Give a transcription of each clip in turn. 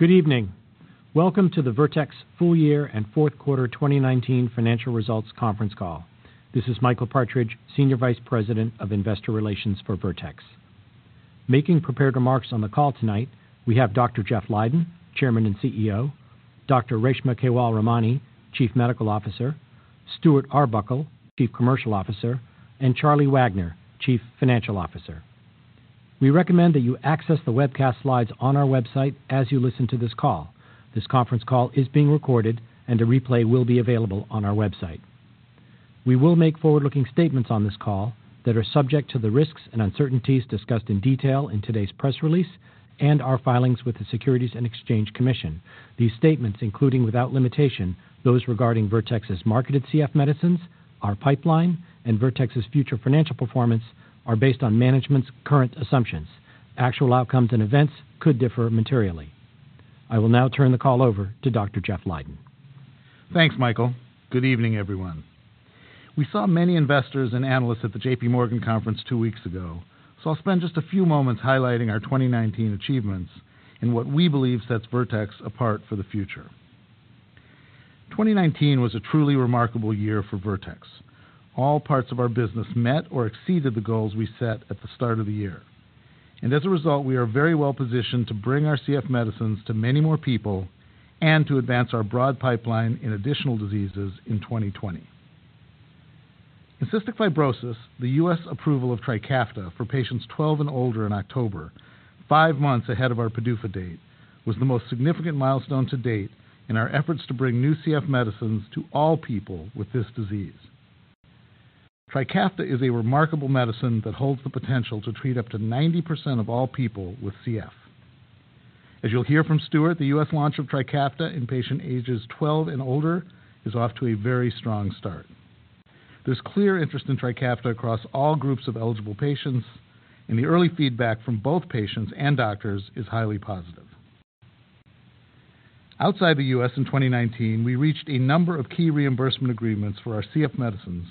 Good evening. Welcome to the Vertex full year and fourth quarter 2019 financial results conference call. This is Michael Partridge, Senior Vice President of Investor Relations for Vertex. Making prepared remarks on the call tonight, we have Dr. Jeff Leiden, Chairman and CEO, Dr. Reshma Kewalramani, Chief Medical Officer, Stuart Arbuckle, Chief Commercial Officer, and Charlie Wagner, Chief Financial Officer. We recommend that you access the webcast slides on our website as you listen to this call. This conference call is being recorded and a replay will be available on our website. We will make forward-looking statements on this call that are subject to the risks and uncertainties discussed in detail in today's press release and our filings with the Securities and Exchange Commission. These statements, including without limitation, those regarding Vertex's marketed CF medicines, our pipeline, and Vertex's future financial performance, are based on management's current assumptions. Actual outcomes and events could differ materially. I will now turn the call over to Dr. Jeff Leiden. Thanks, Michael. Good evening, everyone. We saw many investors and analysts at the JPMorgan conference two weeks ago, so I'll spend just a few moments highlighting our 2019 achievements and what we believe sets Vertex apart for the future. 2019 was a truly remarkable year for Vertex. All parts of our business met or exceeded the goals we set at the start of the year. As a result, we are very well-positioned to bring our CF medicines to many more people and to advance our broad pipeline in additional diseases in 2020. In cystic fibrosis, the U.S. approval of TRIKAFTA for patients 12 and older in October, five months ahead of our PDUFA date, was the most significant milestone to date in our efforts to bring new CF medicines to all people with this disease. TRIKAFTA is a remarkable medicine that holds the potential to treat up to 90% of all people with CF. As you'll hear from Stuart, the U.S. launch of TRIKAFTA in patients ages 12 and older is off to a very strong start. There's clear interest in TRIKAFTA across all groups of eligible patients, and the early feedback from both patients and doctors is highly positive. Outside the U.S. in 2019, we reached a number of key reimbursement agreements for our CF medicines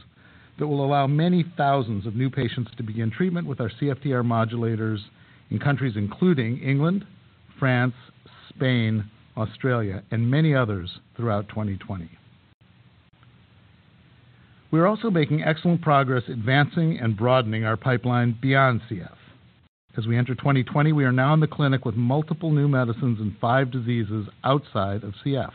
that will allow many thousands of new patients to begin treatment with our CFTR modulators in countries including England, France, Spain, Australia, and many others throughout 2020. We are also making excellent progress advancing and broadening our pipeline beyond CF. As we enter 2020, we are now in the clinic with multiple new medicines in five diseases outside of CF.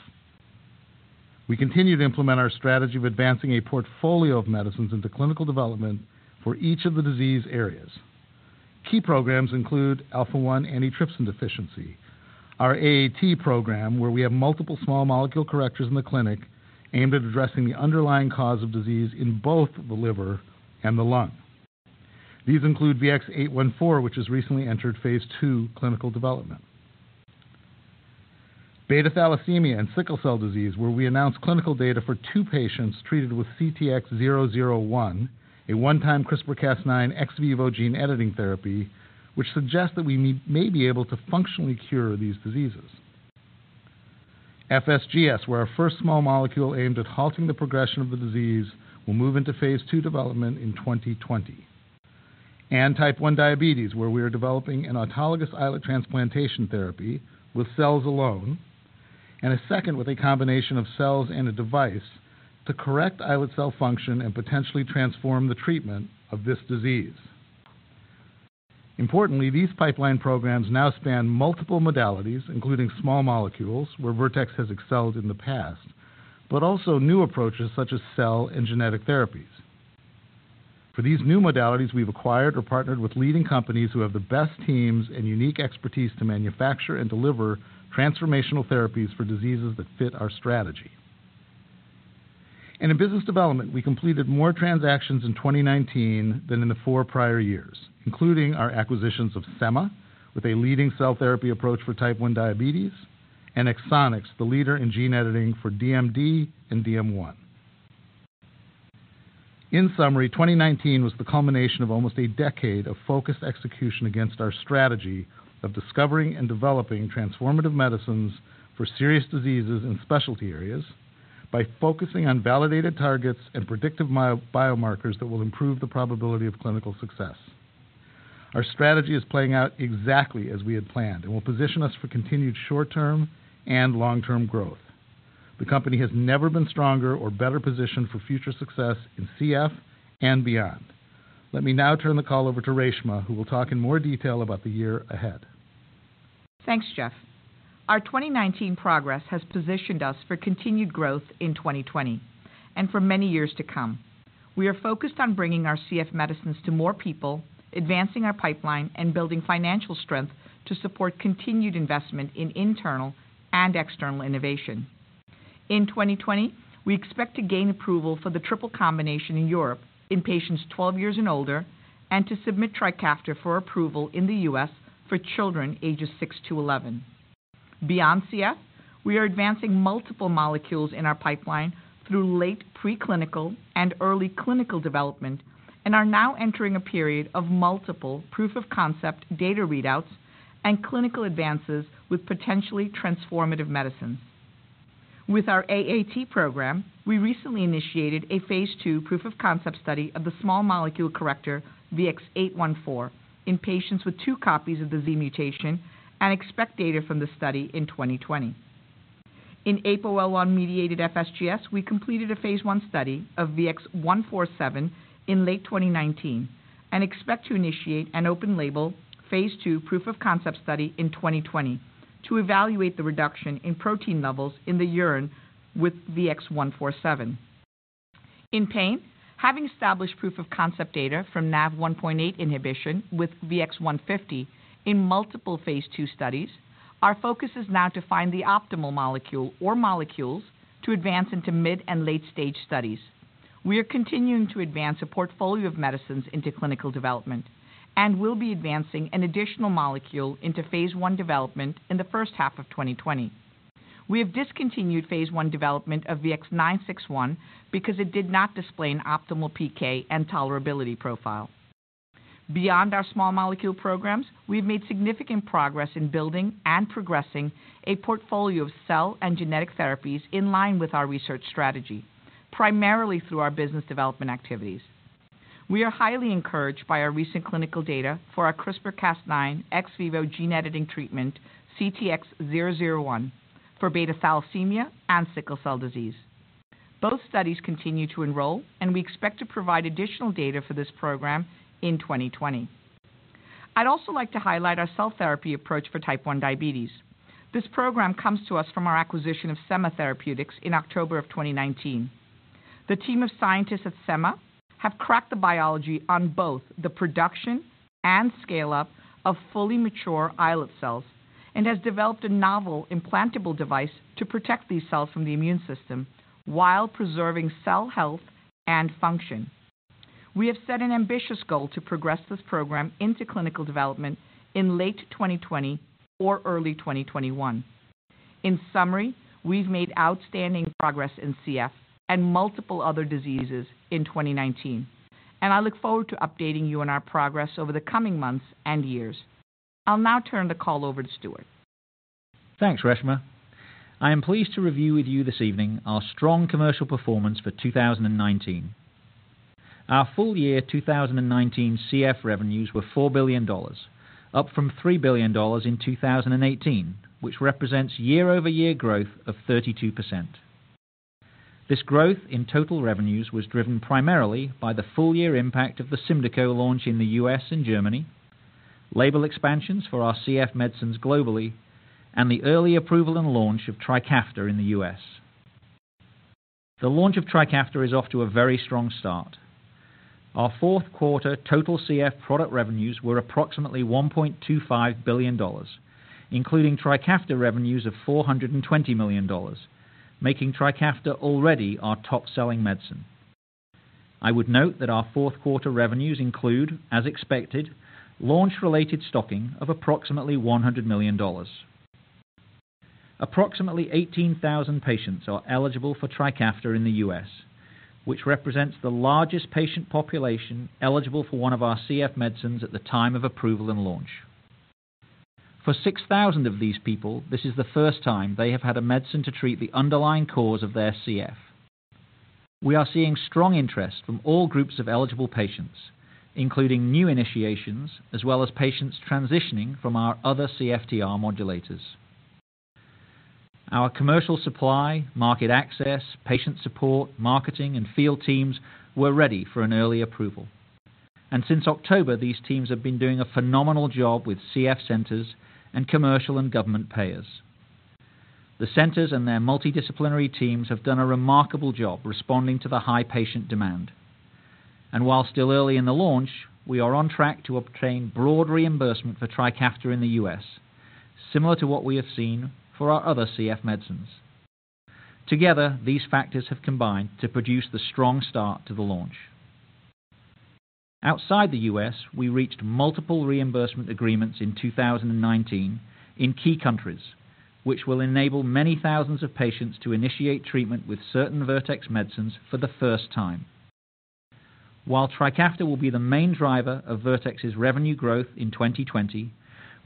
We continue to implement our strategy of advancing a portfolio of medicines into clinical development for each of the disease areas. Key programs include alpha-1 antitrypsin deficiency, our AAT program, where we have multiple small molecule correctors in the clinic aimed at addressing the underlying cause of disease in both the liver and the lung. These include VX-814, which has recently entered phase II clinical development. beta thalassemia and sickle cell disease, where we announced clinical data for two patients treated with CTX001, a one-time CRISPR-Cas9 ex vivo gene-editing therapy, which suggests that we may be able to functionally cure these diseases. FSGS, where our first small molecule aimed at halting the progression of the disease will move into phase II development in 2020. Type 1 diabetes, where we are developing an autologous islet transplantation therapy with cells alone, and a second with a combination of cells and a device to correct islet cell function and potentially transform the treatment of this disease. Importantly, these pipeline programs now span multiple modalities, including small molecules, where Vertex has excelled in the past, but also new approaches such as cell and genetic therapies. For these new modalities, we've acquired or partnered with leading companies who have the best teams and unique expertise to manufacture and deliver transformational therapies for diseases that fit our strategy. In business development, we completed more transactions in 2019 than in the four prior years, including our acquisitions of Semma, with a leading cell therapy approach for Type 1 diabetes, and Exonics, the leader in gene editing for DMD and DM1. In summary, 2019 was the culmination of almost a decade of focused execution against our strategy of discovering and developing transformative medicines for serious diseases in specialty areas by focusing on validated targets and predictive biomarkers that will improve the probability of clinical success. Our strategy is playing out exactly as we had planned and will position us for continued short-term and long-term growth. The company has never been stronger or better positioned for future success in CF and beyond. Let me now turn the call over to Reshma, who will talk in more detail about the year ahead. Thanks, Jeff. Our 2019 progress has positioned us for continued growth in 2020 and for many years to come. We are focused on bringing our CF medicines to more people, advancing our pipeline, and building financial strength to support continued investment in internal and external innovation. In 2020, we expect to gain approval for the triple combination in Europe in patients 12 years and older, and to submit TRIKAFTA for approval in the U.S. for children ages six to 11. Beyond CF, we are advancing multiple molecules in our pipeline through late preclinical and early clinical development and are now entering a period of multiple proof-of-concept data readouts and clinical advances with potentially transformative medicines. With our AAT program, we recently initiated a phase II proof of concept study of the small molecule corrector VX-814 in patients with two copies of the Z mutation and expect data from the study in 2020. In APOL1-mediated FSGS, we completed a phase I study of VX-147 in late 2019 and expect to initiate an open label phase II proof of concept study in 2020 to evaluate the reduction in protein levels in the urine with VX-147. In pain, having established proof of concept data from NaV1.8 inhibition with VX-150 in multiple phase II studies, our focus is now to find the optimal molecule or molecules to advance into mid and late-stage studies. We are continuing to advance a portfolio of medicines into clinical development and will be advancing an additional molecule into phase I development in the first half of 2020. We have discontinued phase I development of VX-961 because it did not display an optimal PK and tolerability profile. Beyond our small molecule programs, we've made significant progress in building and progressing a portfolio of cell and genetic therapies in line with our research strategy, primarily through our business development activities. We are highly encouraged by our recent clinical data for our CRISPR-Cas9 ex vivo gene-editing treatment, CTX001 for beta thalassemia and sickle cell disease. Both studies continue to enroll, and we expect to provide additional data for this program in 2020. I'd also like to highlight our cell therapy approach for Type 1 diabetes. This program comes to us from our acquisition of Semma Therapeutics in October of 2019. The team of scientists at Semma have cracked the biology on both the production and scale-up of fully mature islet cells and has developed a novel implantable device to protect these cells from the immune system while preserving cell health and function. We have set an ambitious goal to progress this program into clinical development in late 2020 or early 2021. In summary, we've made outstanding progress in CF and multiple other diseases in 2019, and I look forward to updating you on our progress over the coming months and years. I'll now turn the call over to Stuart. Thanks, Reshma. I am pleased to review with you this evening our strong commercial performance for 2019. Our full year 2019 CF revenues were $4 billion, up from $3 billion in 2018, which represents year-over-year growth of 32%. This growth in total revenues was driven primarily by the full year impact of the SYMDEKO launch in the U.S. and Germany, label expansions for our CF medicines globally, and the early approval and launch of TRIKAFTA in the U.S. The launch of TRIKAFTA is off to a very strong start. Our fourth quarter total CF product revenues were approximately $1.25 billion, including TRIKAFTA revenues of $420 million, making TRIKAFTA already our top-selling medicine. I would note that our fourth quarter revenues include, as expected, launch-related stocking of approximately $100 million. Approximately 18,000 patients are eligible for TRIKAFTA in the U.S., which represents the largest patient population eligible for one of our CF medicines at the time of approval and launch. For 6,000 of these people, this is the first time they have had a medicine to treat the underlying cause of their CF. We are seeing strong interest from all groups of eligible patients, including new initiations, as well as patients transitioning from our other CFTR modulators. Our commercial supply, market access, patient support, marketing, and field teams were ready for an early approval, and since October, these teams have been doing a phenomenal job with CF centers and commercial and government payers. The centers and their multidisciplinary teams have done a remarkable job responding to the high patient demand. While still early in the launch, we are on track to obtain broad reimbursement for TRIKAFTA in the U.S., similar to what we have seen for our other CF medicines. Together, these factors have combined to produce the strong start to the launch. Outside the U.S., we reached multiple reimbursement agreements in 2019 in key countries, which will enable many thousands of patients to initiate treatment with certain Vertex medicines for the first time. While TRIKAFTA will be the main driver of Vertex's revenue growth in 2020,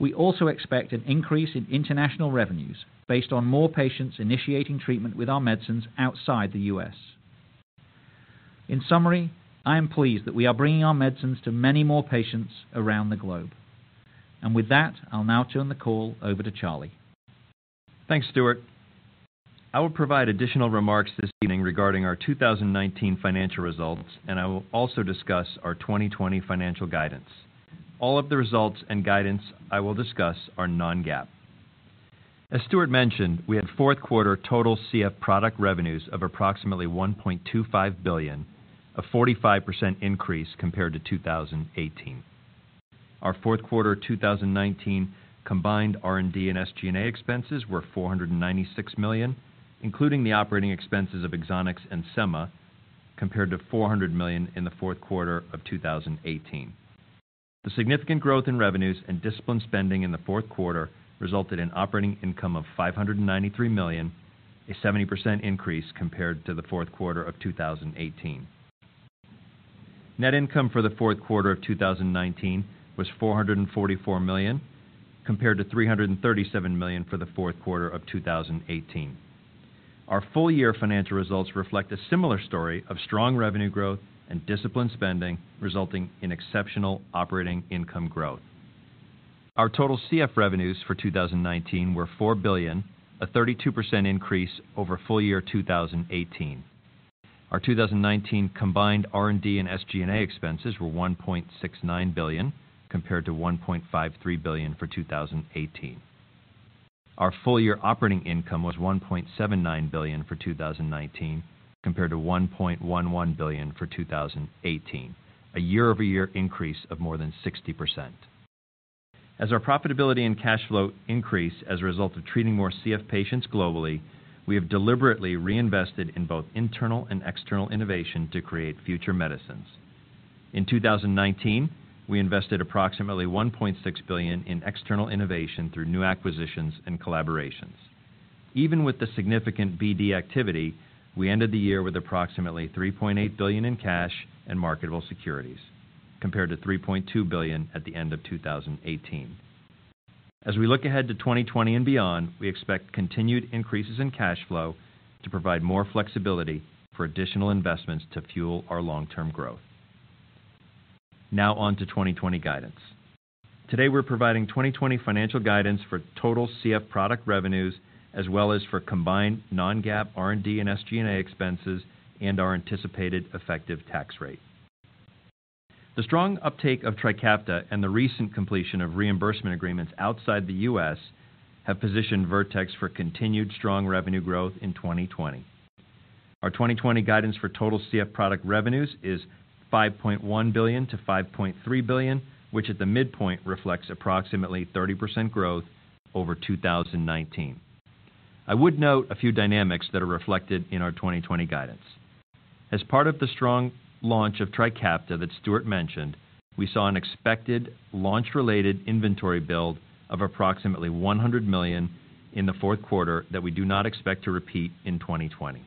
we also expect an increase in international revenues based on more patients initiating treatment with our medicines outside the U.S. In summary, I am pleased that we are bringing our medicines to many more patients around the globe. With that, I'll now turn the call over to Charlie. Thanks, Stuart. I will provide additional remarks this evening regarding our 2019 financial results, and I will also discuss our 2020 financial guidance. All of the results and guidance I will discuss are non-GAAP. As Stuart mentioned, we had fourth quarter total CF product revenues of approximately $1.25 billion, a 45% increase compared to 2018. Our fourth quarter 2019 combined R&D and SG&A expenses were $496 million, including the operating expenses of Exonics and Semma, compared to $400 million in the fourth quarter of 2018. The significant growth in revenues and disciplined spending in the fourth quarter resulted in operating income of $593 million, a 70% increase compared to the fourth quarter of 2018. Net income for the fourth quarter of 2019 was $444 million, compared to $337 million for the fourth quarter of 2018. Our full year financial results reflect a similar story of strong revenue growth and disciplined spending, resulting in exceptional operating income growth. Our total CF revenues for 2019 were $4 billion, a 32% increase over full year 2018. Our 2019 combined R&D and SG&A expenses were $1.69 billion, compared to $1.53 billion for 2018. Our full year operating income was $1.79 billion for 2019, compared to $1.11 billion for 2018, a year-over-year increase of more than 60%. As our profitability and cash flow increase as a result of treating more CF patients globally, we have deliberately reinvested in both internal and external innovation to create future medicines. In 2019, we invested approximately $1.6 billion in external innovation through new acquisitions and collaborations. Even with the significant BD activity, we ended the year with approximately $3.8 billion in cash and marketable securities, compared to $3.2 billion at the end of 2018. As we look ahead to 2020 and beyond, we expect continued increases in cash flow to provide more flexibility for additional investments to fuel our long-term growth. On to 2020 guidance. Today, we're providing 2020 financial guidance for total CF product revenues, as well as for combined non-GAAP R&D and SG&A expenses and our anticipated effective tax rate. The strong uptake of TRIKAFTA and the recent completion of reimbursement agreements outside the U.S. have positioned Vertex for continued strong revenue growth in 2020. Our 2020 guidance for total CF product revenues is $5.1 billion-$5.3 billion, which at the midpoint reflects approximately 30% growth over 2019. I would note a few dynamics that are reflected in our 2020 guidance. As part of the strong launch of TRIKAFTA that Stuart mentioned, we saw an expected launch-related inventory build of approximately $100 million in the fourth quarter that we do not expect to repeat in 2020.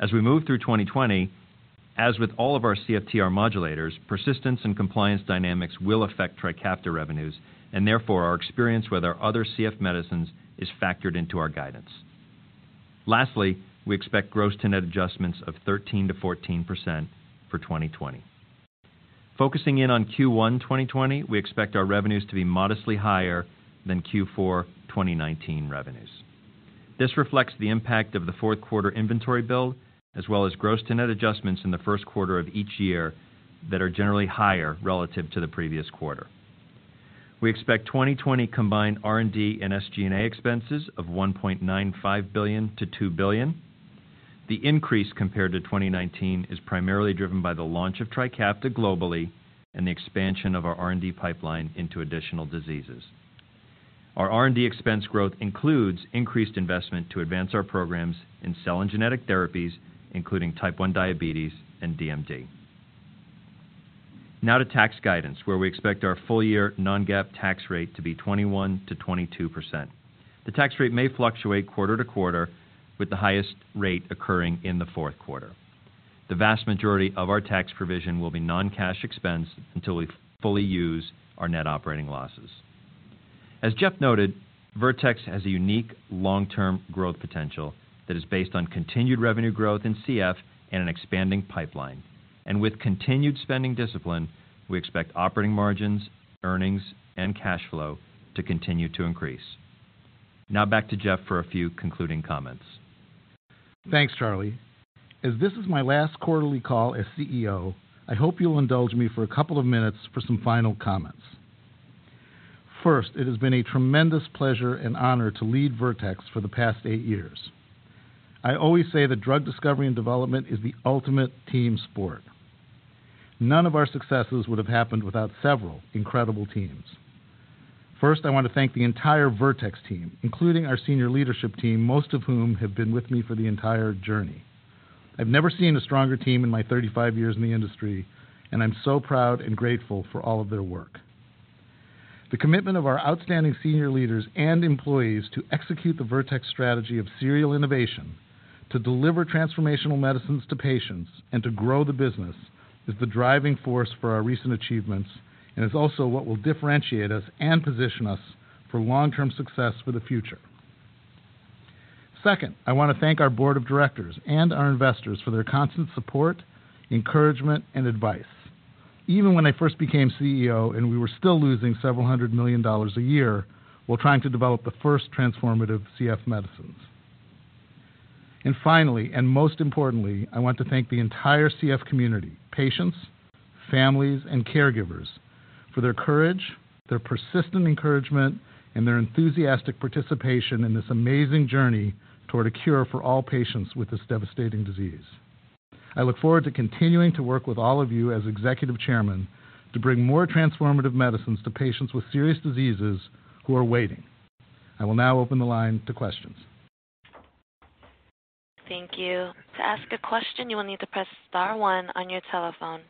As we move through 2020, as with all of our CFTR modulators, persistence and compliance dynamics will affect TRIKAFTA revenues, and therefore, our experience with our other CF medicines is factored into our guidance. Lastly, we expect gross-to-net adjustments of 13%-14% for 2020. Focusing in on Q1 2020, we expect our revenues to be modestly higher than Q4 2019 revenues. This reflects the impact of the fourth quarter inventory build, as well as gross-to-net adjustments in the first quarter of each year that are generally higher relative to the previous quarter. We expect 2020 combined R&D and SG&A expenses of $1.95 billion-$2 billion. The increase compared to 2019 is primarily driven by the launch of TRIKAFTA globally and the expansion of our R&D pipeline into additional diseases. Our R&D expense growth includes increased investment to advance our programs in cell and genetic therapies, including Type 1 diabetes and DMD. To tax guidance, where we expect our full year non-GAAP tax rate to be 21%-22%. The tax rate may fluctuate quarter to quarter, with the highest rate occurring in the fourth quarter. The vast majority of our tax provision will be non-cash expense until we fully use our net operating losses. As Jeff noted, Vertex has a unique long-term growth potential that is based on continued revenue growth in CF and an expanding pipeline. With continued spending discipline, we expect operating margins, earnings, and cash flow to continue to increase. Back to Jeff for a few concluding comments. Thanks, Charlie. As this is my last quarterly call as CEO, I hope you'll indulge me for a couple of minutes for some final comments. First, it has been a tremendous pleasure and honor to lead Vertex for the past eight years. I always say that drug discovery and development is the ultimate team sport. None of our successes would have happened without several incredible teams. First, I want to thank the entire Vertex team, including our senior leadership team, most of whom have been with me for the entire journey. I've never seen a stronger team in my 35 years in the industry, and I'm so proud and grateful for all of their work. The commitment of our outstanding senior leaders and employees to execute the Vertex strategy of serial innovation, to deliver transformational medicines to patients, and to grow the business is the driving force for our recent achievements and is also what will differentiate us and position us for long-term success for the future. Second, I want to thank our board of directors and our investors for their constant support, encouragement, and advice, even when I first became CEO and we were still losing several hundred million dollars a year while trying to develop the first transformative CF medicines. Finally, and most importantly, I want to thank the entire CF community, patients, families, and caregivers for their courage, their persistent encouragement, and their enthusiastic participation in this amazing journey toward a cure for all patients with this devastating disease. I look forward to continuing to work with all of you as executive chairman to bring more transformative medicines to patients with serious diseases who are waiting. I will now open the line to questions. Thank you. To ask a question, you will need to press star one on your telephone.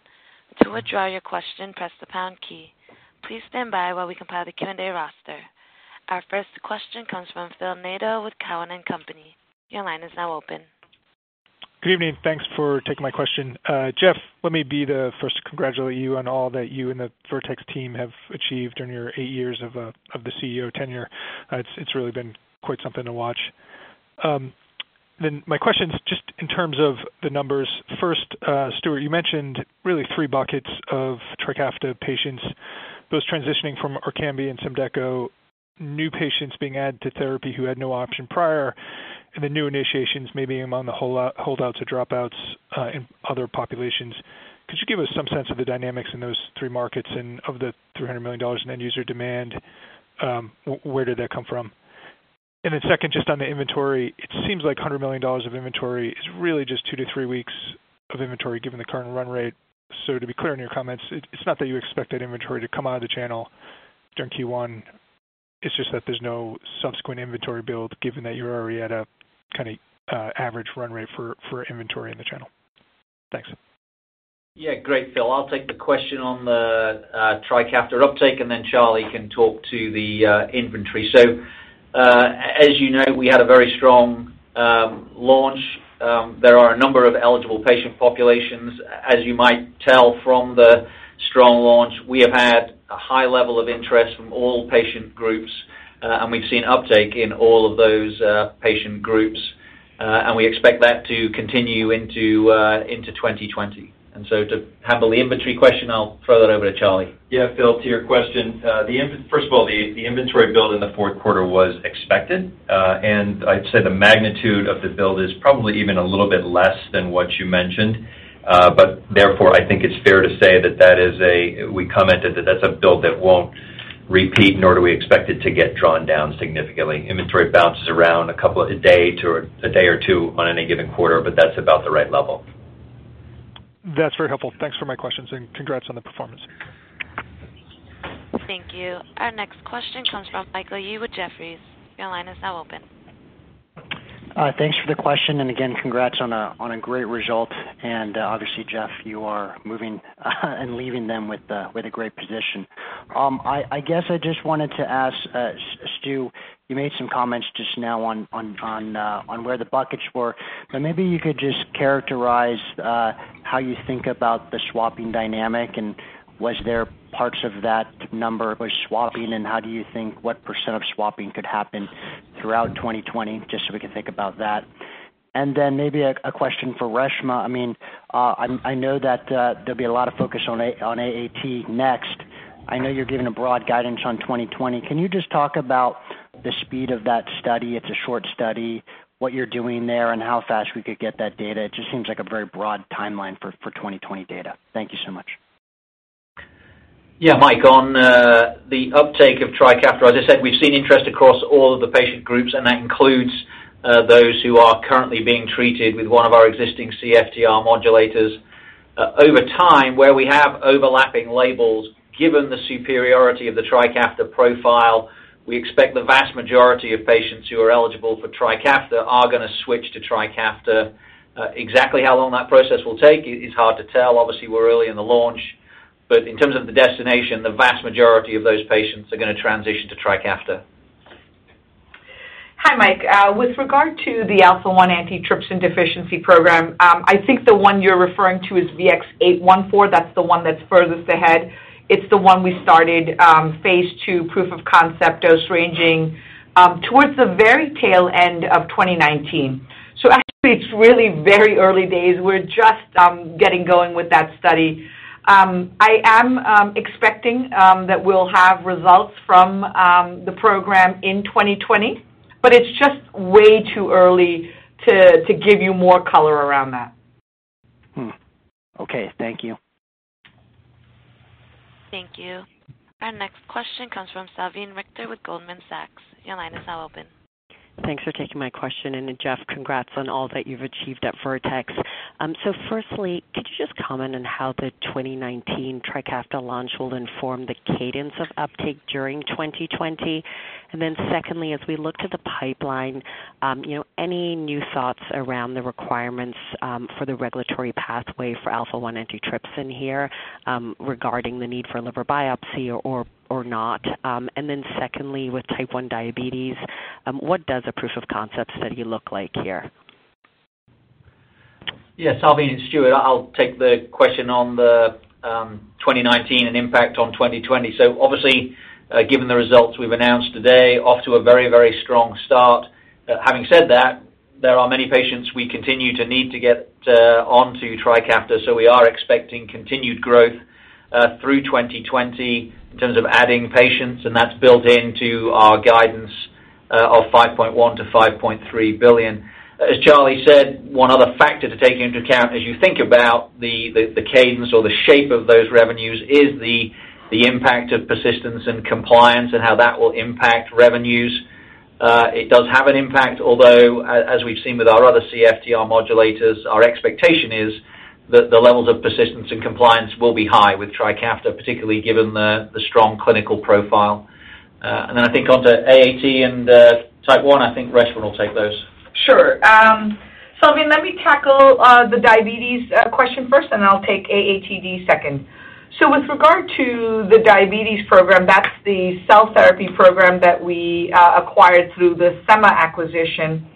To withdraw your question, press the pound key. Please stand by while we compile the Q&A roster. Our first question comes from Phil Nadeau with Cowen and Company. Your line is now open. Good evening. Thanks for taking my question. Jeff, let me be the first to congratulate you on all that you and the Vertex team have achieved during your eight years of the CEO tenure. It's really been quite something to watch. My question is just in terms of the numbers, first, Stuart, you mentioned really three buckets of TRIKAFTA patients, those transitioning from ORKAMBI and SYMDEKO, new patients being added to therapy who had no option prior, and the new initiations, maybe among the holdouts or dropouts in other populations. Could you give us some sense of the dynamics in those three markets and of the $300 million in end-user demand? Where did that come from? Second, just on the inventory, it seems like $100 million of inventory is really just two to three weeks of inventory given the current run rate. To be clear in your comments, it's not that you expect that inventory to come out of the channel during Q1, it's just that there's no subsequent inventory build given that you're already at a kind of average run rate for inventory in the channel. Thanks. Yeah. Great, Phil. I'll take the question on the TRIKAFTA uptake, and then Charlie can talk to the inventory. As you know, we had a very strong launch. There are a number of eligible patient populations. As you might tell from the strong launch, we have had a high level of interest from all patient groups, and we've seen uptake in all of those patient groups. We expect that to continue into 2020. To handle the inventory question, I'll throw that over to Charlie. Yeah. Phil, to your question, first of all, the inventory build in the fourth quarter was expected. I'd say the magnitude of the build is probably even a little bit less than what you mentioned. Therefore, I think it's fair to say that we commented that that's a build that won't repeat, nor do we expect it to get drawn down significantly. Inventory bounces around a day or two on any given quarter, but that's about the right level. That's very helpful. Thanks for my questions and congrats on the performance. Thank you. Our next question comes from Michael Yee with Jefferies. Your line is now open. Thanks for the question, again, congrats on a great result. Obviously, Jeff, you are moving and leaving them with a great position. I guess I just wanted to ask, Stu, you made some comments just now on where the buckets were, but maybe you could just characterize how you think about the swapping dynamic, and was there parts of that number was swapping, and how do you think what percent of swapping could happen throughout 2020, just so we can think about that. Then maybe a question for Reshma. I know that there'll be a lot of focus on AAT next. I know you're giving a broad guidance on 2020. Can you just talk about the speed of that study, it's a short study, what you're doing there and how fast we could get that data? It just seems like a very broad timeline for 2020 data. Thank you so much. Yeah, Mike, on the uptake of TRIKAFTA, as I said, we've seen interest across all of the patient groups, and that includes those who are currently being treated with one of our existing CFTR modulators. Over time, where we have overlapping labels, given the superiority of the TRIKAFTA profile, we expect the vast majority of patients who are eligible for TRIKAFTA are going to switch to TRIKAFTA. Exactly how long that process will take is hard to tell. Obviously, we're early in the launch. In terms of the destination, the vast majority of those patients are going to transition to TRIKAFTA. Hi, Mike. With regard to the alpha-1 antitrypsin deficiency program, I think the one you're referring to is VX-814. That's the one that's furthest ahead. It's the one we started phase II proof-of-concept dose ranging towards the very tail end of 2019. Actually, it's really very early days. We're just getting going with that study. I am expecting that we'll have results from the program in 2020, but it's just way too early to give you more color around that. Okay. Thank you. Thank you. Our next question comes from Salveen Richter with Goldman Sachs. Your line is now open. Thanks for taking my question. Jeff, congrats on all that you've achieved at Vertex. Firstly, could you just comment on how the 2019 TRIKAFTA launch will inform the cadence of uptake during 2020? Then secondly, as we look to the pipeline, any new thoughts around the requirements for the regulatory pathway for alpha-1 antitrypsin here regarding the need for liver biopsy or not? Then secondly, with Type 1 diabetes, what does a proof-of-concept study look like here? Yeah, Salveen, it's Stuart. I'll take the question on the 2019 and impact on 2020. Obviously, given the results we've announced today, off to a very strong start, having said that, there are many patients we continue to need to get onto TRIKAFTA. We are expecting continued growth through 2020 in terms of adding patients, and that's built into our guidance of $5.1 billion-$5.3 billion. As Charlie said, one other factor to take into account as you think about the cadence or the shape of those revenues is the impact of persistence and compliance and how that will impact revenues. It does have an impact, although, as we've seen with our other CFTR modulators, our expectation is that the levels of persistence and compliance will be high with TRIKAFTA, particularly given the strong clinical profile. I think onto AAT and Type 1, I think Reshma will take those. Sure. Let me tackle the diabetes question first, and I'll take AATD second. With regard to the diabetes program, that's the cell therapy program that we acquired through the Semma acquisition.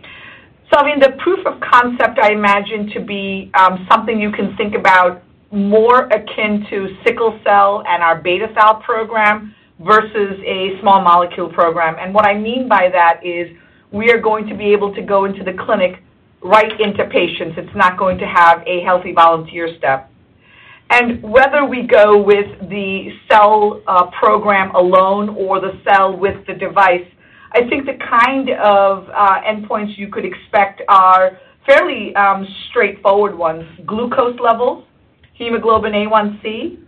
The proof of concept I imagine to be something you can think about more akin to sickle cell and our beta cell program versus a small molecule program. What I mean by that is we are going to be able to go into the clinic right into patients. It's not going to have a healthy volunteer step. Whether we go with the cell program alone or the cell with the device, I think the kind of endpoints you could expect are fairly straightforward ones. Glucose levels, hemoglobin A1c.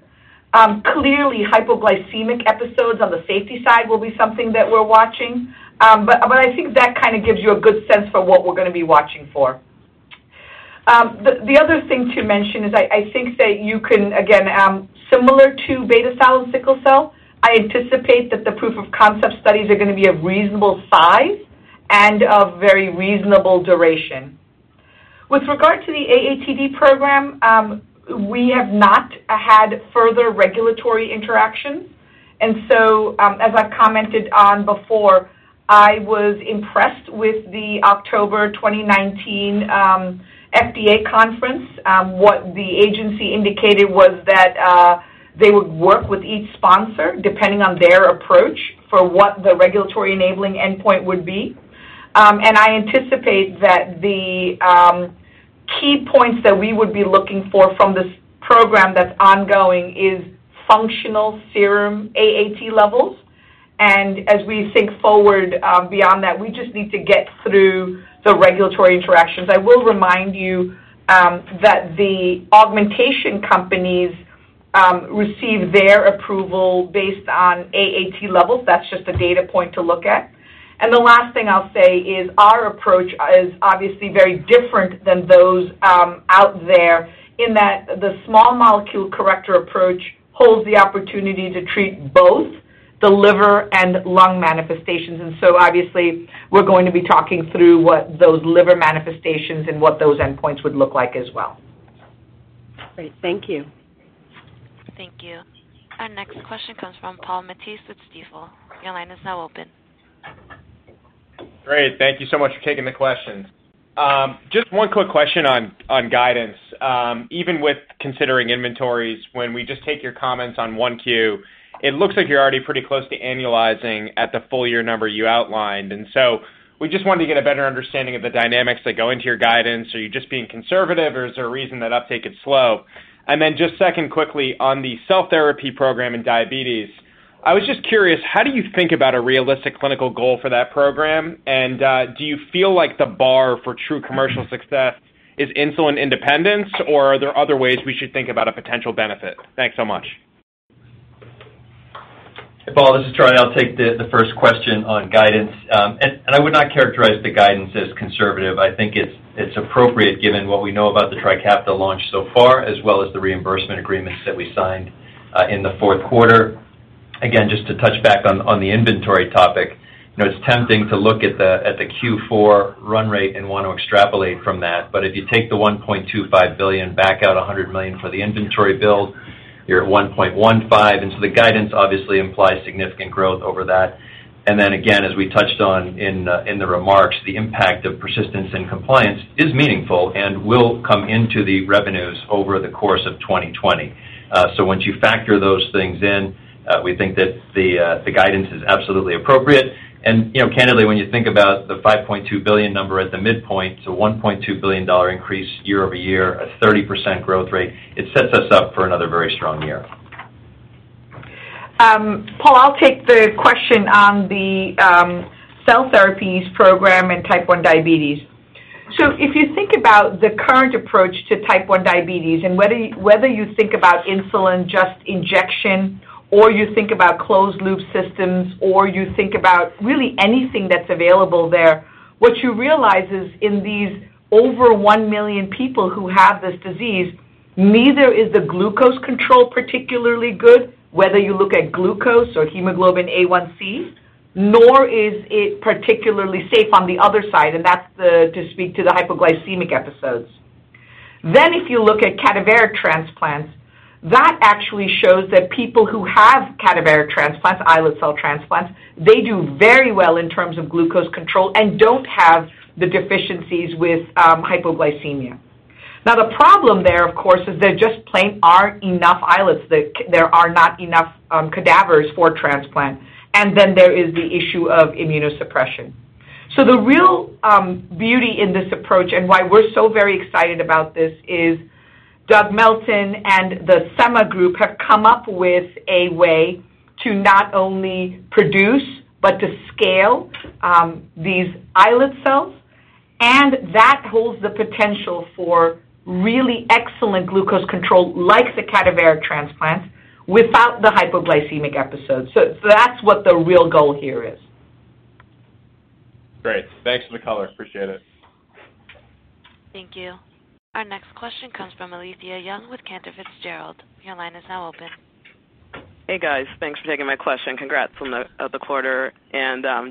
Clearly hypoglycemic episodes on the safety side will be something that we're watching. I think that kind of gives you a good sense for what we're going to be watching for. The other thing to mention is I think that you can, again, similar to beta cell and sickle cell, I anticipate that the proof of concept studies are going to be of reasonable size and of very reasonable duration. With regard to the AATD program, we have not had further regulatory interaction. As I've commented on before, I was impressed with the October 2019 FDA conference. What the agency indicated was that they would work with each sponsor, depending on their approach, for what the regulatory enabling endpoint would be. I anticipate that the key points that we would be looking for from this program that's ongoing is functional serum AAT levels. As we think forward beyond that, we just need to get through the regulatory interactions. I will remind you that the augmentation companies receive their approval based on AAT levels. That's just a data point to look at. The last thing I'll say is our approach is obviously very different than those out there in that the small molecule corrector approach holds the opportunity to treat both the liver and lung manifestations. Obviously we're going to be talking through what those liver manifestations and what those endpoints would look like as well. Great. Thank you. Thank you. Our next question comes from Paul Matteis with Stifel. Your line is now open. Great. Thank you so much for taking the questions. Just one quick question on guidance. Even with considering inventories, when we just take your comments on 1Q, it looks like you're already pretty close to annualizing at the full year number you outlined. We just wanted to get a better understanding of the dynamics that go into your guidance. Are you just being conservative or is there a reason that uptake is slow? Just second quickly on the cell therapy program in diabetes, I was just curious, how do you think about a realistic clinical goal for that program? Do you feel like the bar for true commercial success is insulin independence or are there other ways we should think about a potential benefit? Thanks so much. Hey, Paul, this is {Troy}. I'll take the first question on guidance. I would not characterize the guidance as conservative. I think it's appropriate given what we know about the TRIKAFTA launch so far, as well as the reimbursement agreements that we signed in the fourth quarter. Again, just to touch back on the inventory topic. It's tempting to look at the Q4 run rate and want to extrapolate from that, but if you take the $1.25 billion, back out $100 million for the inventory build, you're at $1.15. The guidance obviously implies significant growth over that. Then again, as we touched on in the remarks, the impact of persistence and compliance is meaningful and will come into the revenues over the course of 2020. Once you factor those things in, we think that the guidance is absolutely appropriate. Candidly, when you think about the $5.2 billion number at the midpoint, it's a $1.2 billion increase year-over-year, a 30% growth rate. It sets us up for another very strong year. Paul, I'll take the question on the cell therapies program and Type 1 diabetes. If you think about the current approach to Type 1 diabetes and whether you think about insulin, just injection, or you think about closed loop systems, or you think about really anything that's available there, what you realize is in these over 1 million people who have this disease, neither is the glucose control particularly good, whether you look at glucose or hemoglobin A1c, nor is it particularly safe on the other side, and that's to speak to the hypoglycemic episodes. If you look at cadaveric transplants, that actually shows that people who have cadaveric transplants, islet cell transplants, they do very well in terms of glucose control and don't have the deficiencies with hypoglycemia. The problem there, of course, is there just plain aren't enough islets. There are not enough cadavers for transplant. There is the issue of immunosuppression. The real beauty in this approach and why we're so very excited about this is Doug Melton and the Semma Group have come up with a way to not only produce, but to scale these islet cells, and that holds the potential for really excellent glucose control like the cadaveric transplants without the hypoglycemic episodes. That's what the real goal here is. Great. Thanks for the color. Appreciate it. Thank you. Our next question comes from Alethia Young with Cantor Fitzgerald. Your line is now open. Hey, guys. Thanks for taking my question. Congrats on the quarter.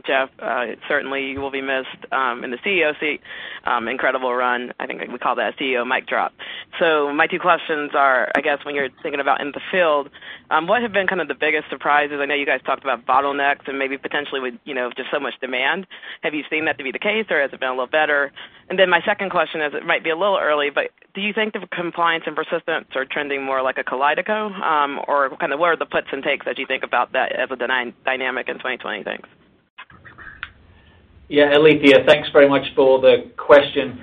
Jeff, certainly you will be missed in the CEO seat. Incredible run. I think we call that CEO mic drop. My two questions are, I guess when you're thinking about in the field, what have been the biggest surprises? I know you guys talked about bottlenecks and maybe potentially with just so much demand. Have you seen that to be the case, or has it been a little better? My second question is, it might be a little early, but do you think the compliance and persistence are trending more like a KALYDECO? What are the puts and takes as you think about that as a dynamic in 2020? Thanks. Yeah. Alethia, thanks very much for the question.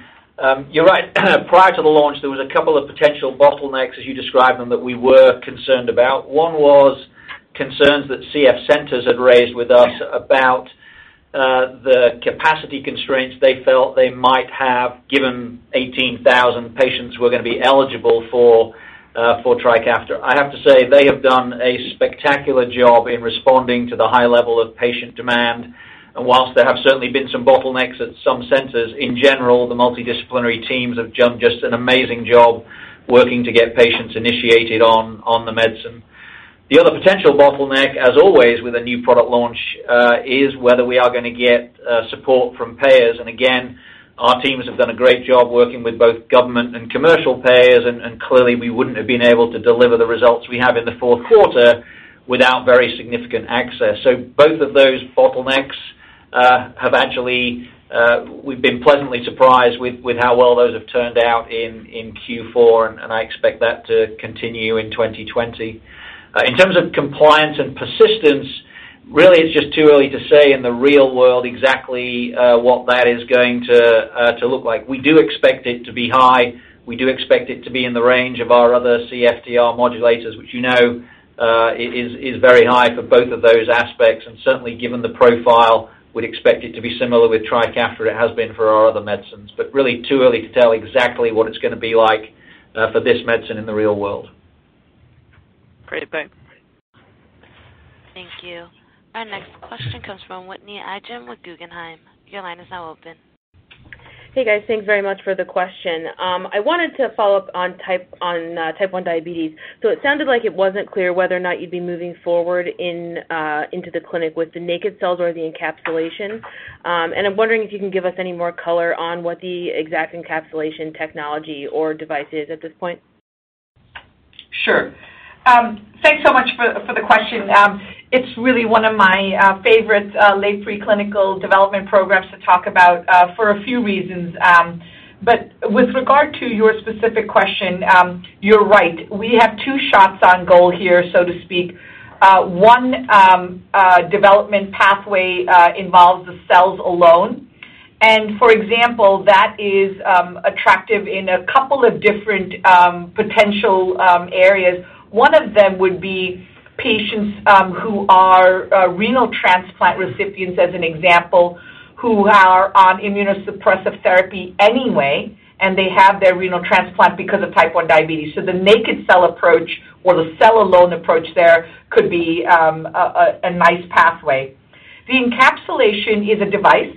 You're right. Prior to the launch, there was a couple of potential bottlenecks, as you described them, that we were concerned about. One was concerns that CF centers had raised with us about the capacity constraints they felt they might have, given 18,000 patients were going to be eligible for TRIKAFTA. I have to say, they have done a spectacular job in responding to the high level of patient demand. Whilst there have certainly been some bottlenecks at some centers, in general, the multidisciplinary teams have done just an amazing job working to get patients initiated on the medicine. The other potential bottleneck, as always with a new product launch, is whether we are going to get support from payers. Again, our teams have done a great job working with both government and commercial payers, clearly we wouldn't have been able to deliver the results we have in the fourth quarter without very significant access. Both of those bottlenecks, we've been pleasantly surprised with how well those have turned out in Q4, and I expect that to continue in 2020. In terms of compliance and persistence, really it's just too early to say in the real world exactly what that is going to look like. We do expect it to be high. We do expect it to be in the range of our other CFTR modulators, which you know is very high for both of those aspects. Certainly, given the profile, we'd expect it to be similar with TRIKAFTA to it has been for our other medicines. Really too early to tell exactly what it's going to be like for this medicine in the real world. Great. Thanks. Thank you. Our next question comes from Whitney Ijem with Guggenheim. Your line is now open. Hey, guys. Thanks very much for the question. I wanted to follow up on Type 1 diabetes. It sounded like it wasn't clear whether or not you'd be moving forward into the clinic with the naked cells or the encapsulation. I'm wondering if you can give us any more color on what the exact encapsulation technology or device is at this point. Sure. Thanks so much for the question. It's really one of my favorite late pre-clinical development programs to talk about, for a few reasons. With regard to your specific question, you're right. We have two shots on goal here, so to speak. One development pathway involves the cells alone. For example, that is attractive in a couple of different potential areas. One of them would be patients who are renal transplant recipients, as an example, who are on immunosuppressive therapy anyway, and they have their renal transplant because of Type 1 diabetes. The naked cell approach or the cell-alone approach there could be a nice pathway. The encapsulation is a device.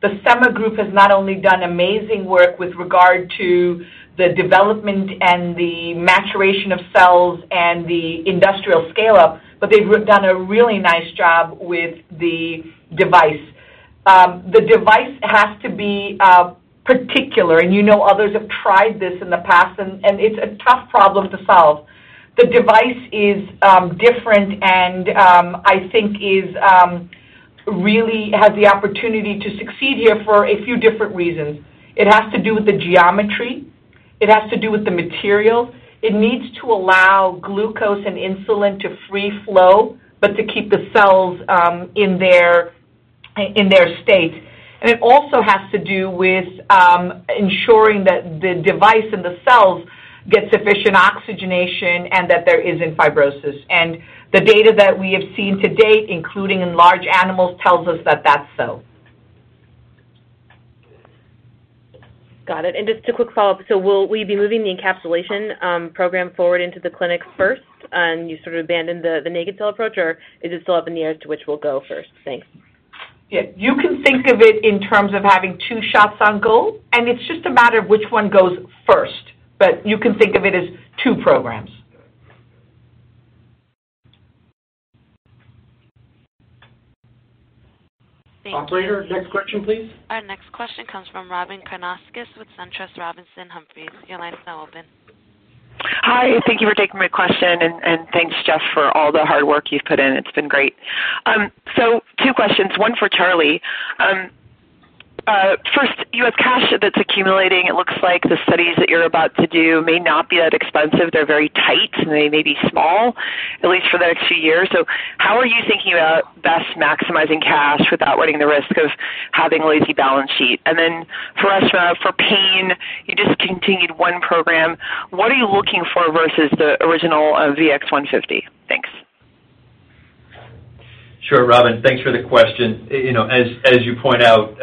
The Semma Group has not only done amazing work with regard to the development and the maturation of cells and the industrial scale-up, but they've done a really nice job with the device. The device has to be particular, and you know others have tried this in the past, and it's a tough problem to solve. The device is different and I think really has the opportunity to succeed here for a few different reasons. It has to do with the geometry. It has to do with the material. It needs to allow glucose and insulin to free flow, but to keep the cells in their state. It also has to do with ensuring that the device and the cells get sufficient oxygenation and that there isn't fibrosis. The data that we have seen to date, including in large animals, tells us that that's so. Got it. Just a quick follow-up. Will we be moving the encapsulation program forward into the clinic first and you sort of abandon the naked cell approach, or is it still up in the air to which will go first? Thanks. Yeah. You can think of it in terms of having two shots on goal, and it's just a matter of which one goes first. You can think of it as two programs. Thank you. Operator, next question, please. Our next question comes from Robyn Karnauskas with SunTrust Robinson Humphrey. Your line is now open. Hi, thank you for taking my question, and thanks, Jeff, for all the hard work you've put in. It's been great. Two questions, one for Charlie. First, you have cash that's accumulating. It looks like the studies that you're about to do may not be that expensive. They're very tight, and they may be small, at least for the next few years. How are you thinking about best maximizing cash without running the risk of having a lazy balance sheet? For Reshma, for pain, you discontinued one program. What are you looking for versus the original VX-150? Thanks. Sure, Robyn. Thanks for the question. As you point out,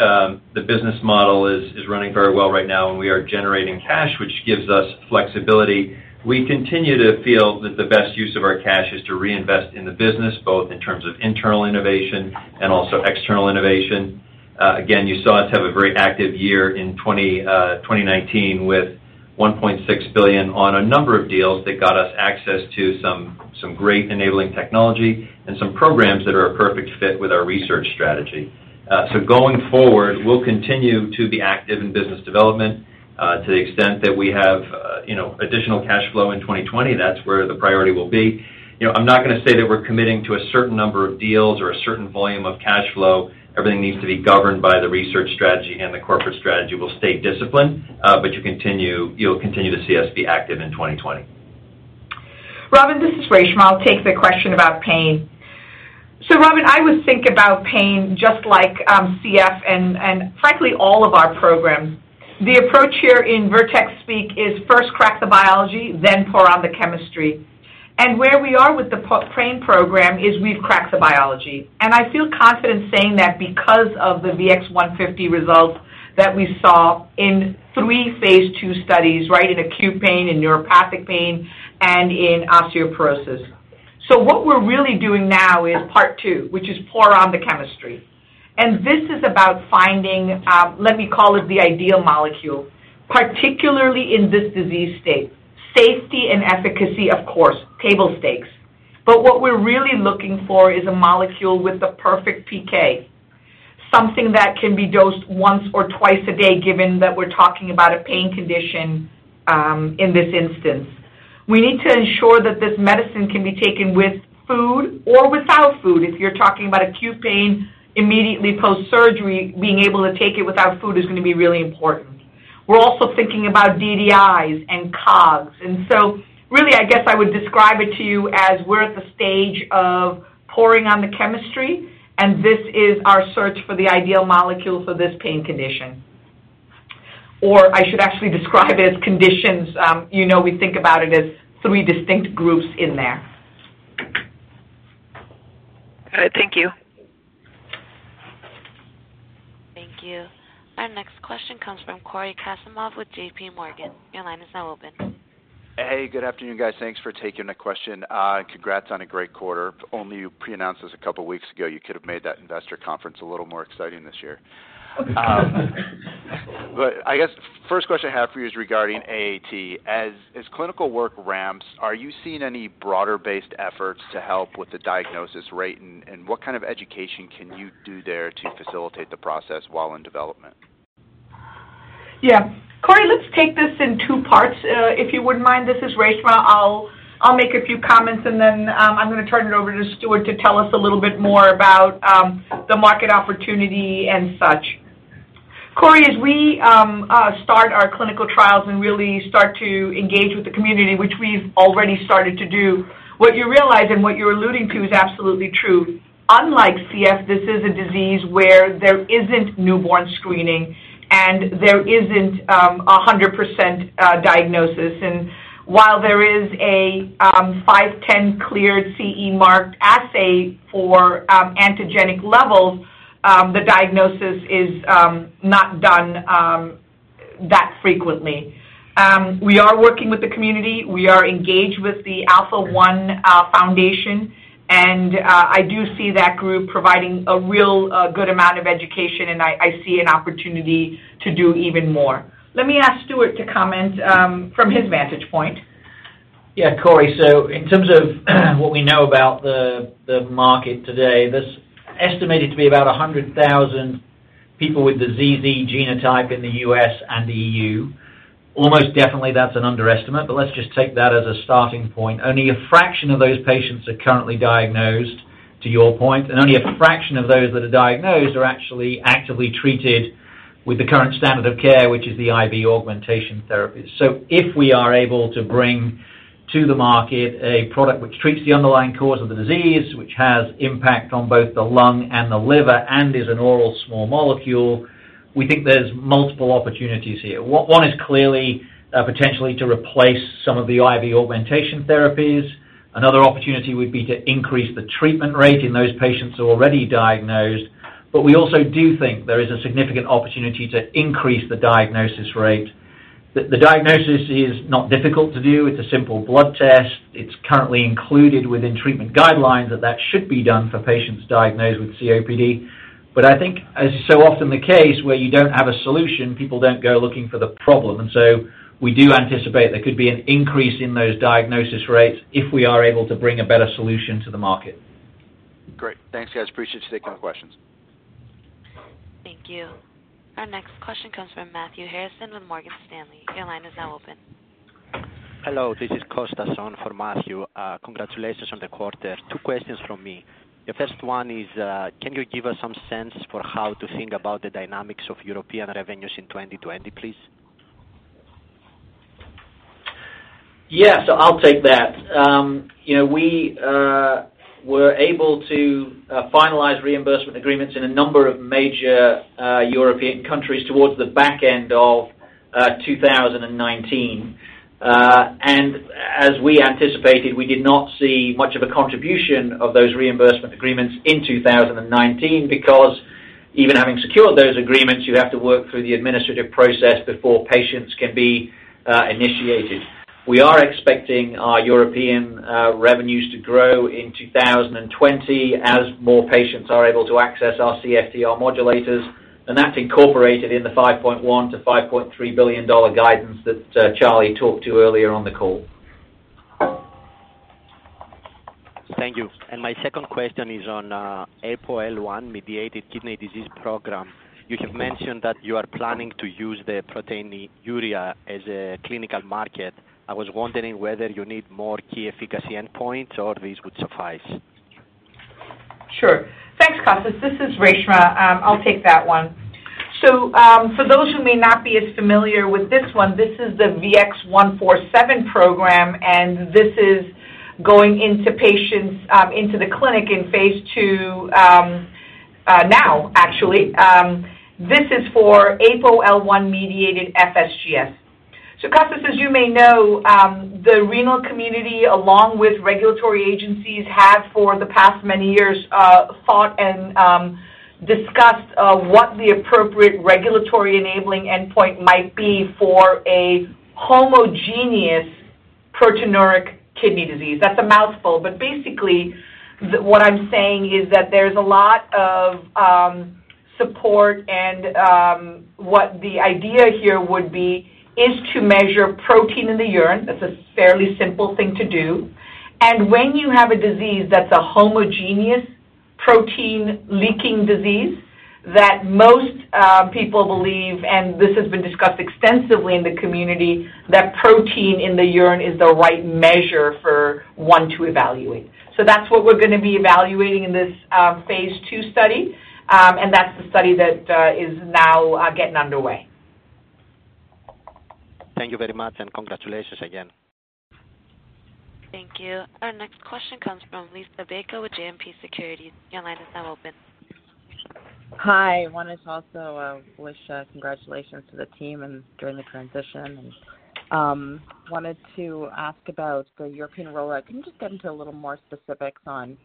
the business model is running very well right now, and we are generating cash, which gives us flexibility. We continue to feel that the best use of our cash is to reinvest in the business, both in terms of internal innovation and also external innovation. You saw us have a very active year in 2019 with $1.6 billion on a number of deals that got us access to some great enabling technology and some programs that are a perfect fit with our research strategy. Going forward, we'll continue to be active in business development to the extent that we have additional cash flow in 2020, that's where the priority will be. I'm not going to say that we're committing to a certain number of deals or a certain volume of cash flow. Everything needs to be governed by the research strategy and the corporate strategy. We'll stay disciplined, but you'll continue to see us be active in 2020. Robyn, this is Reshma. I'll take the question about pain. Robyn, I would think about pain just like CF and frankly all of our programs. The approach here in Vertex speak is first crack the biology, then pour on the chemistry. Where we are with the pain program is we've cracked the biology. I feel confident saying that because of the VX-150 results that we saw in three phase II studies, right? In acute pain, in neuropathic pain, and in osteoarthritis. What we're really doing now is part 2, which is pour on the chemistry. This is about finding, let me call it, the ideal molecule, particularly in this disease state. Safety and efficacy, of course, table stakes. What we're really looking for is a molecule with the perfect PK, something that can be dosed once or twice a day, given that we're talking about a pain condition in this instance. We need to ensure that this medicine can be taken with food or without food. If you're talking about acute pain immediately post-surgery, being able to take it without food is going to be really important. We're also thinking about DDIs and COGS. Really, I guess I would describe it to you as we're at the stage of pouring on the chemistry, and this is our search for the ideal molecule for this pain condition. I should actually describe it as conditions. We think about it as three distinct groups in there. All right. Thank you. Thank you. Our next question comes from Cory Kasimov with JPMorgan. Your line is now open. Hey, good afternoon, guys. Thanks for taking the question. Congrats on a great quarter. If only you pre-announced this a couple of weeks ago, you could have made that investor conference a little more exciting this year. I guess first question I have for you is regarding AAT. As clinical work ramps, are you seeing any broader-based efforts to help with the diagnosis rate, and what kind of education can you do there to facilitate the process while in development? Yeah. Cory, let's take this in two parts if you wouldn't mind. This is Reshma. I'll make a few comments, then I'm going to turn it over to Stuart to tell us a little bit more about the market opportunity and such. Cory, as we start our clinical trials and really start to engage with the community, which we've already started to do, what you realize and what you're alluding to is absolutely true. Unlike CF, this is a disease where there isn't newborn screening and there isn't 100% diagnosis. While there is a 510(k) cleared CE marked assay for antigenic levels, the diagnosis is not done that frequently. We are working with the community. We are engaged with the Alpha-1 Foundation, I do see that group providing a real good amount of education, and I see an opportunity to do even more. Let me ask Stuart to comment from his vantage point. Yeah, Cory. In terms of what we know about the market today, that's estimated to be about 100,000 people with the ZZ genotype in the U.S. and the EU. Almost definitely that's an underestimate, let's just take that as a starting point. Only a fraction of those patients are currently diagnosed, to your point, only a fraction of those that are diagnosed are actually actively treated with the current standard of care, which is the IV augmentation therapy. If we are able to bring to the market a product which treats the underlying cause of the disease, which has impact on both the lung and the liver and is an oral small molecule, we think there's multiple opportunities here. One is clearly potentially to replace some of the IV augmentation therapies. Another opportunity would be to increase the treatment rate in those patients who are already diagnosed. We also do think there is a significant opportunity to increase the diagnosis rate. The diagnosis is not difficult to do. It's a simple blood test. It's currently included within treatment guidelines that that should be done for patients diagnosed with COPD. I think as so often the case where you don't have a solution, people don't go looking for the problem. We do anticipate there could be an increase in those diagnosis rates if we are able to bring a better solution to the market. Great. Thanks, guys. Appreciate you taking the questions. Thank you. Our next question comes from Matthew Harrison with Morgan Stanley. Your line is now open. Hello, this is Kostas, on for Matthew. Congratulations on the quarter. Two questions from me. The first one is can you give us some sense for how to think about the dynamics of European revenues in 2020, please? Yeah. I'll take that. We were able to finalize reimbursement agreements in a number of major European countries towards the back end of 2019. As we anticipated, we did not see much of a contribution of those reimbursement agreements in 2019 because even having secured those agreements, you have to work through the administrative process before patients can be initiated. We are expecting our European revenues to grow in 2020 as more patients are able to access our CFTR modulators, and that's incorporated in the $5.1 billion-$5.3 billion guidance that Charlie talked to earlier on the call. Thank you. My second question is on APOL1-mediated kidney disease program. You have mentioned that you are planning to use the proteinuria as a clinical marker. I was wondering whether you need more key efficacy endpoints, or these would suffice. Sure. Thanks, Kostas. This is Reshma. I'll take that one. For those who may not be as familiar with this one, this is the VX-147 program, and this is going into patients into the clinic in phase II now, actually. This is for APOL1-mediated FSGS. Kostas, as you may know, the renal community, along with regulatory agencies, have for the past many years thought and discussed what the appropriate regulatory enabling endpoint might be for a homogeneous proteinuria kidney disease. That's a mouthful, but basically what I'm saying is that there's a lot of support and what the idea here would be is to measure protein in the urine. That's a fairly simple thing to do. When you have a disease that's a homogeneous protein-leaking disease, that most people believe, and this has been discussed extensively in the community, that protein in the urine is the right measure for one to evaluate. That's what we're going to be evaluating in this phase II study, and that's the study that is now getting underway. Thank you very much, and congratulations again. Thank you. Our next question comes from Liisa Bayko with JMP Securities. Your line is now open. Hi. I wanted to also wish congratulations to the team during the transition. Wanted to ask about the European rollout. Can you just get into a little more specifics on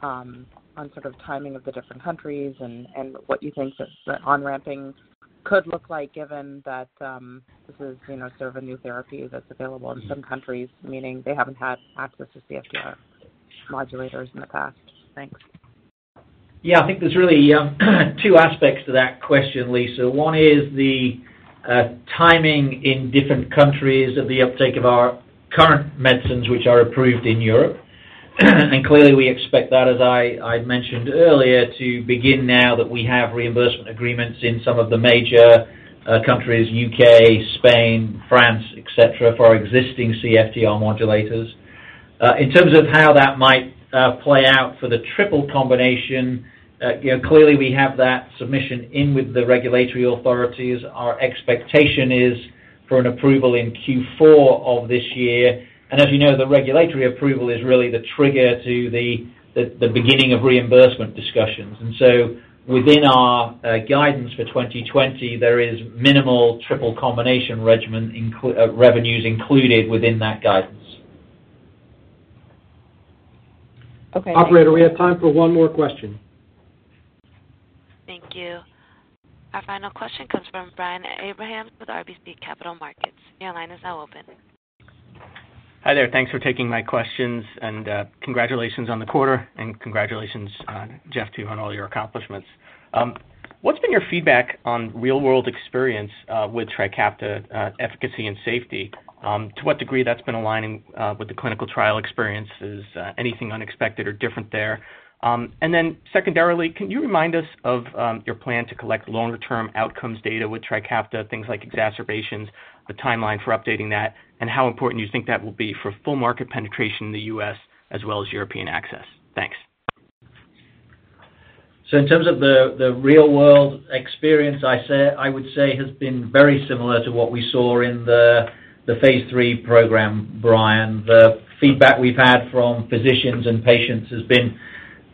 sort of timing of the different countries and what you think the on-ramping could look like, given that this is sort of a new therapy that's available in some countries, meaning they haven't had access to CFTR modulators in the past? Thanks. I think there's really two aspects to that question, Liisa. One is the timing in different countries of the uptake of our current medicines which are approved in Europe. Clearly we expect that, as I mentioned earlier, to begin now that we have reimbursement agreements in some of the major countries, U.K., Spain, France, et cetera, for our existing CFTR modulators. In terms of how that might play out for the triple combination, clearly we have that submission in with the regulatory authorities. Our expectation is for an approval in Q4 of this year. As you know, the regulatory approval is really the trigger to the beginning of reimbursement discussions. Within our guidance for 2020, there is minimal triple combination regimen revenues included within that guidance. Okay. Operator, we have time for one more question. Thank you. Our final question comes from Brian Abrahams with RBC Capital Markets. Your line is now open. Hi there. Thanks for taking my questions, and congratulations on the quarter and congratulations, Jeff, to you on all your accomplishments. What's been your feedback on real-world experience with TRIKAFTA efficacy and safety? To what degree that's been aligning with the clinical trial experiences, anything unexpected or different there? Secondarily, can you remind us of your plan to collect longer-term outcomes data with TRIKAFTA, things like exacerbations, the timeline for updating that, and how important you think that will be for full market penetration in the U.S. as well as European access? Thanks. In terms of the real-world experience, I would say has been very similar to what we saw in the phase III program, Brian. The feedback we've had from physicians and patients has been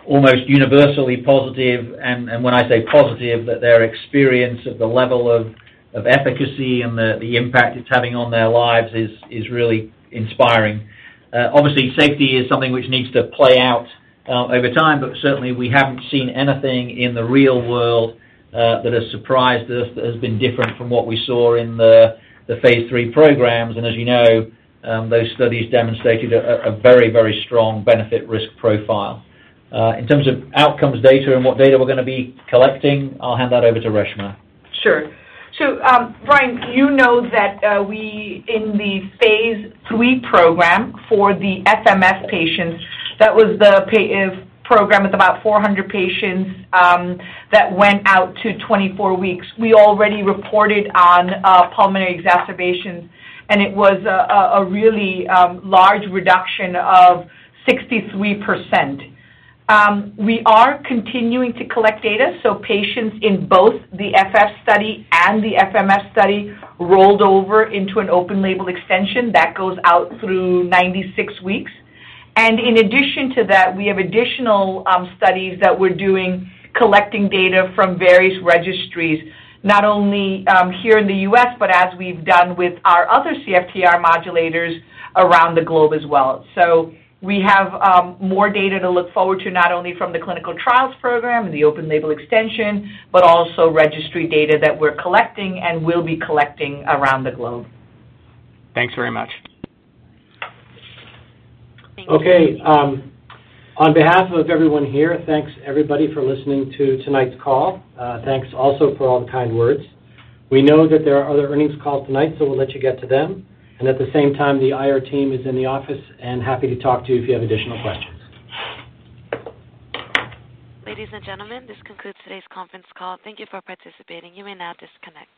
almost universally positive. When I say positive, that their experience of the level of efficacy and the impact it's having on their lives is really inspiring. Obviously, safety is something which needs to play out over time, but certainly we haven't seen anything in the real world that has surprised us that has been different from what we saw in the phase III programs. As you know, those studies demonstrated a very strong benefit-risk profile. In terms of outcomes data and what data we're going to be collecting, I'll hand that over to Reshma. Sure. Brian, you know that we, in the phase III program for the F/MF patients, that was the program with about 400 patients that went out to 24 weeks. We already reported on pulmonary exacerbations, and it was a really large reduction of 63%. We are continuing to collect data, patients in both the F/F study and the F/MF study rolled over into an open-label extension that goes out through 96 weeks. In addition to that, we have additional studies that we're doing, collecting data from various registries, not only here in the U.S. but as we've done with our other CFTR modulators around the globe as well. We have more data to look forward to, not only from the clinical trials program and the open-label extension, but also registry data that we're collecting and will be collecting around the globe. Thanks very much. Thank you. Okay. On behalf of everyone here, thanks everybody for listening to tonight's call. Thanks also for all the kind words. We know that there are other earnings calls tonight, so we'll let you get to them. At the same time, the IR team is in the office and happy to talk to you if you have additional questions. Ladies and gentlemen, this concludes today's conference call. Thank you for participating. You may now disconnect.